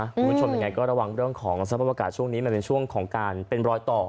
คุณผู้ชมยังไงก็ระวังเรื่องของสภาพอากาศช่วงนี้มันเป็นช่วงของการเป็นรอยต่อ